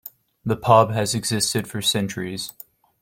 The pub has existed for centuries.